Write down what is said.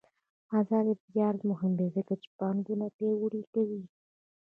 آزاد تجارت مهم دی ځکه چې بانکونه پیاوړي کوي.